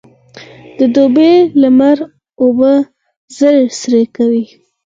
د دوبي لمر اوبه ژر سرې کوي.